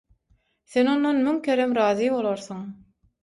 Sen ondan müň kerem razy bolarsyň.